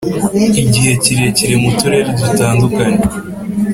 igihe kirekire mu turere dutandukanye